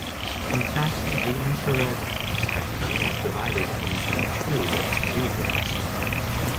In fact, the infrared spectrum is divided into two regions.